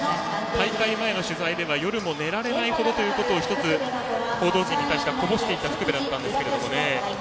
大会前の取材では夜も寝られないほどだというのを１つ、報道陣に対してこぼしていた福部ですが。